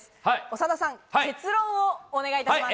長田さん、結論をお願いします。